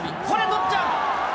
これ捕っちゃう。